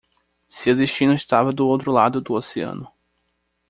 Seu destino estava do outro lado do oceano